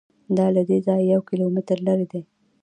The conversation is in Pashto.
دا له دې ځایه یو کیلومتر لرې دی.